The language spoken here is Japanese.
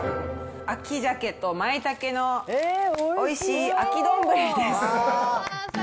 秋サケとまいたけのおいしい秋丼です。